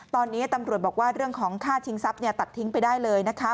ตอนนี้ตำรวจบอกว่าเรื่องของค่าชิงทรัพย์ตัดทิ้งไปได้เลยนะคะ